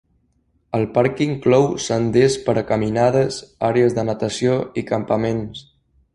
El parc inclou senders per a caminades, àrees de natació i campaments.